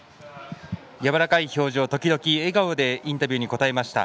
やわらかい表情時々、笑顔で質問に答えました。